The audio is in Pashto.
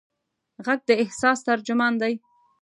غږ د احساس ترجمان دی.